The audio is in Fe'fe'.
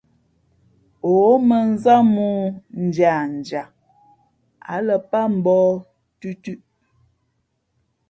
Ǒ mᾱnzám mōō ndiandia, ǎ lα pát mbōh tʉtʉ̄ʼ.